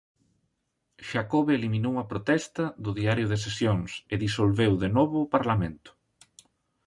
Xacobe eliminou a protesta do diario de sesións e disolveu de novo o Parlamento.